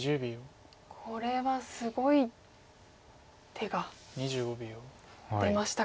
これはすごい手が出ましたか。